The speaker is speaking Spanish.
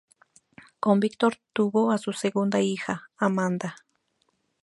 Con Víctor tuvo a su segunda hija, Amanda.